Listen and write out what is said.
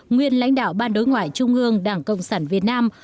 nguyên lãnh đạo ban đối ngoại trung ương đảng cộng sản việt nam